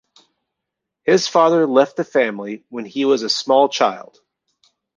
His father left the family when he was a small child.